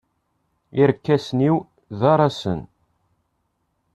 Irkasen-iw d arasen.